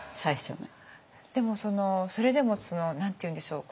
でもそれでも何て言うんでしょう